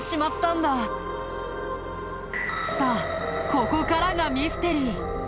さあここからがミステリー。